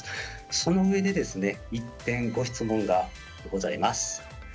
そのうえで、１点ご質問がございます。